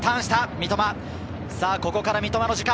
三笘、ここから三笘の時間。